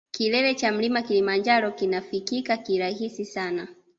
Kilele cha mlima kilimanjaro kinafikika kirahisi sana